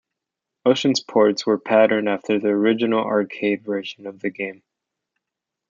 Ocean's ports were patterned after the original arcade version of the game.